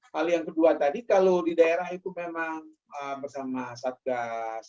hal yang kedua tadi kalau di daerah itu memang bersama satgas